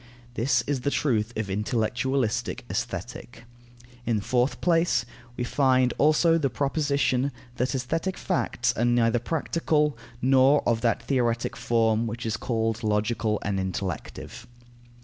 This is the truth of intellectualistic Aesthetic. In the fourth place, we find also the proposition; that aesthetic facts are neither practical, nor of that theoretic form which is called logical and intellective.